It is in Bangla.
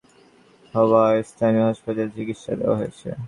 তার পায়ের নিচের অংশ দগ্ধ হওয়ায় স্থানীয় হাসপাতালে চিকিৎসা দেওয়া হয়েছে।